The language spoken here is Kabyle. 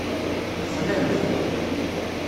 Texlamt.